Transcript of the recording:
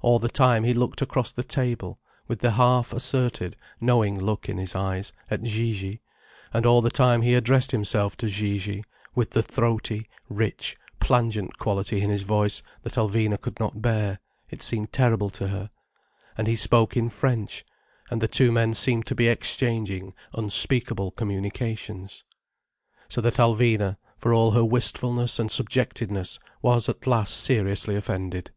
All the time he looked across the table, with the half asserted, knowing look in his eyes, at Gigi: and all the time he addressed himself to Gigi, with the throaty, rich, plangent quality in his voice, that Alvina could not bear, it seemed terrible to her: and he spoke in French: and the two men seemed to be exchanging unspeakable communications. So that Alvina, for all her wistfulness and subjectedness, was at last seriously offended.